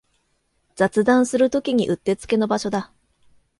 雑談するときにうってつけの場所だ